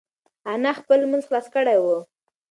انا خپل لمونځ خلاص کړی و.